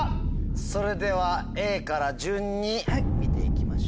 それではＡから順に見て行きましょう。